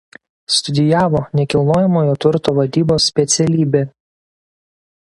Studijavo nekilnojamojo turto vadybos specialybę.